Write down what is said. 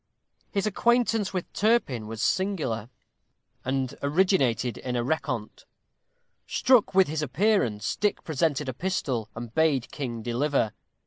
His acquaintance with Turpin was singular, and originated in a rencontre. Struck with his appearance, Dick presented a pistol, and bade King deliver.